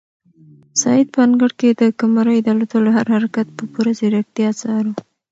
سعید په انګړ کې د قمرۍ د الوتلو هر حرکت په پوره ځیرکتیا څاره.